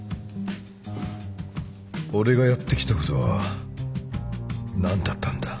俺がやってきたことは何だったんだ。